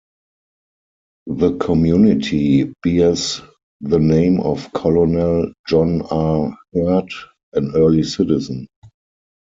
The community bears the name of Colonel John R. Hurt, an early citizen.